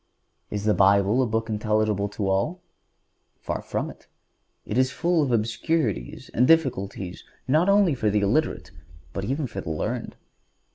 Is the Bible a book intelligible to all? Far from it; it is full of obscurities and difficulties not only for the illiterate, but even for the learned.